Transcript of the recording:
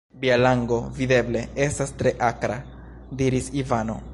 Via lango, videble, estas tre akra, diris Ivano.